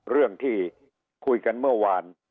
เรื่องที่คุยกันเมื่อวาน